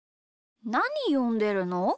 なによんでるの？